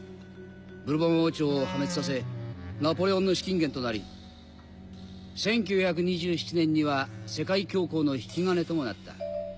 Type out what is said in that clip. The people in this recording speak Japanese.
ブルボン王朝を破滅させナポレオンの資金源となり１９２７年には世界恐慌の引き金ともなった。